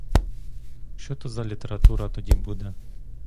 Що то за література тоді буде?